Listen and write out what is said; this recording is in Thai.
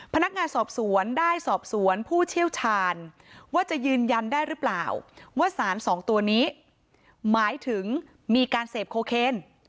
พนักงานสอบสวนได้สอบสวนผู้เชี่ยวชาญว่าจะยืนยันได้หรือเปล่าว่าสารสองตัวนี้หมายถึงมีการเสพโคเคน